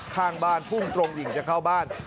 ข้างบ้านพุ่งตรงหญิงจะเข้าบ้าน